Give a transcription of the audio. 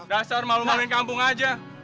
basar malu menarap kampung saja